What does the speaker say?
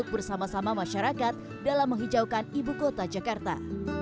bersama sama masyarakat dalam menghijaukan ibu kota jakarta